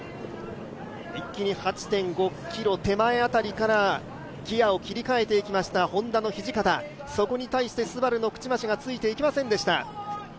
一気に８．５ｋｍ手前辺りからギヤを切り替えていきましたＨｏｎｄａの土方それに対してＳＵＢＡＲＵの口町がついていけませんでした。